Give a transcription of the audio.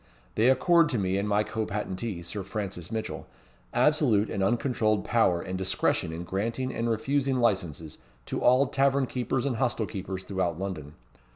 They accord to me and my co patentee, Sir Francis Mitchell, absolute and uncontrolled power and discretion in granting and refusing licenses to all tavern keepers and hostel keepers throughout London.